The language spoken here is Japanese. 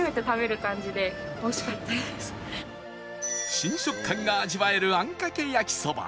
新食感が味わえるあんかけ焼そば